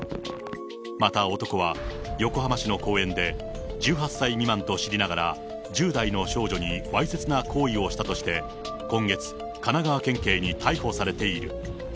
また男は、横浜市の公園で、１８歳未満と知りながら、１０代の少女にわいせつな行為をしたとして、今月、神奈川県警に逮捕されている。